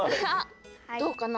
どうかな？